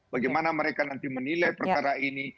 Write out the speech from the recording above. bagaimana mereka nanti menilai perkara ini